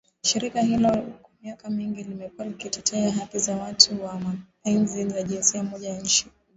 Shirika hilo kwa miaka mingi limekuwa likitetea haki za watu wa mapenzi ya jinsia moja nchini Uganda